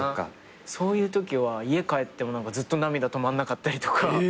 そういうときは家帰ってもずっと涙止まんなかったりとか。